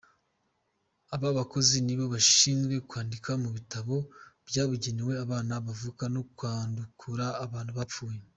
Abo bakozi nibo bashinzwe kwandika mu bitabo byabugenewe abana bavuka no kwandukura abantu bapfuye.